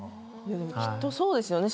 きっとそうですよね。